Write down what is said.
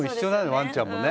ワンちゃんもね。